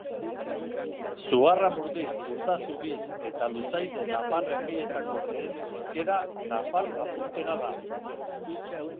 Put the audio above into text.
Zugarramurdi, Urdazubi eta Luzaide nafar herrietako berezko hizkera nafar-lapurtera da.